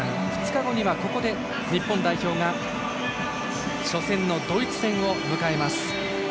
２日後には、ここで日本代表が初戦のドイツ戦を迎えます。